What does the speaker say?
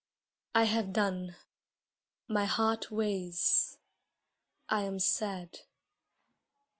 I have done. My heart weighs. I am sad.